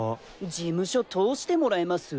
事務所通してもらえます？